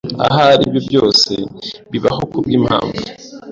Ahari ibyo byose bibaho kubwimpamvu.